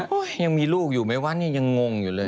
โอ๊ยยังมีลูกอยู่ไหมวะยังงงอยู่เลย